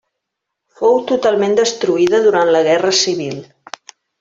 Fou totalment destruïda durant la Guerra Civil.